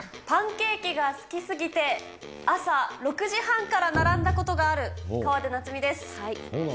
パンケーキが好きすぎて、朝６時半から並んだことがある河出奈都美です。